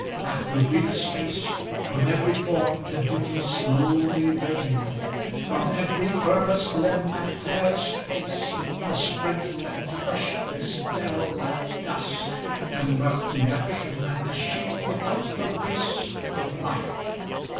After brief space. From every form the beauty slowly waned ;* From every firmest limb and fairest face The strength and freshness fell like dust, and left 521 The action and the shape without the grace * Of life.